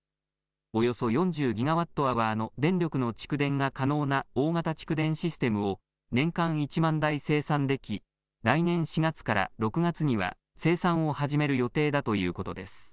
およそ４０ギガワットアワーの電力の蓄電が可能な大型蓄電システムを、年間１万台生産でき、来年４月から６月には、生産を始める予定だということです。